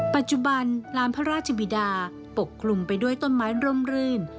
ปัจจุบันลานพระราชบิดาปกคลุมไปด้วยต้นไม้ร่มรื่น